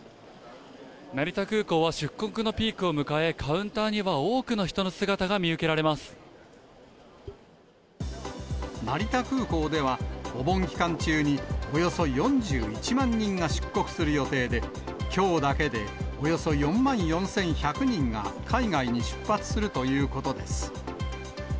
成田空港は出国のピークを迎え、カウンターには多くの人の姿成田空港では、お盆期間中におよそ４１万人が出国する予定で、きょうだけでおよそ４万４１００人が海外に出発するということです。